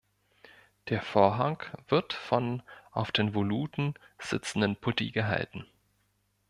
Der Vorhang wird von auf den Voluten sitzenden Putti gehalten.